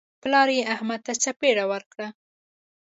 پلار یې احمد ته څپېړه ورکړه.